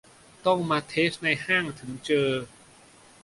ต้องมาเทสในห้างถึงเจอ